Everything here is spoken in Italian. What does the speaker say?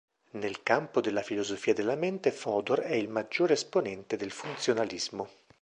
Nella campo della filosofia della mente Fodor è il maggiore esponente del funzionalismo.